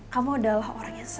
kamu adalah orang yang sangat baik